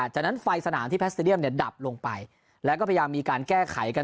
จากนั้นไฟสนามที่แพสเตรียมดับลงไปแล้วก็พยายามมีการแก้ไขกัน